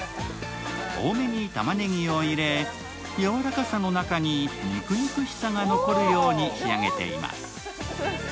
多めにたまねぎを入れ、やわらかさの中に肉々しさが残るように仕上げています。